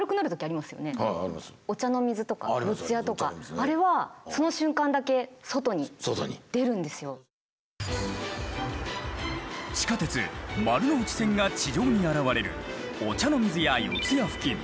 あれは地下鉄・丸ノ内線が地上に現れる御茶ノ水や四谷付近。